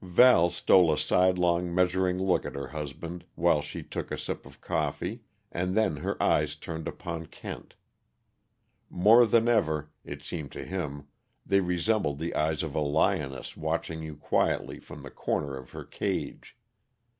Val stole a sidelong, measuring look at her husband while she took a sip of coffee, and then her eyes turned upon Kent. More than ever, it seemed to him, they resembled the eyes of a lioness watching you quietly from the corner of her cage.